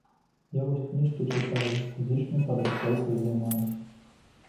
Я вось кніжкі чытаю, фізічнай падрыхтоўкай займаюся.